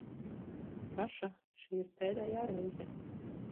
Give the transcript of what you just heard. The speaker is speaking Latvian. Saša, šī ir pēdējā reize.